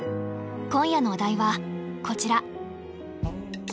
今夜のお題はこちら。